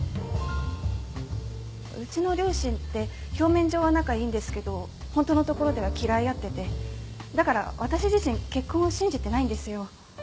うちの両親って表面上は仲いいんですけどホントのところでは嫌い合っててだから私自身結婚を信じてないんですよ。